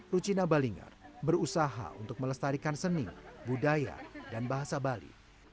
rucina balinger berusaha untuk melestarikan seni budaya dan bahasa bali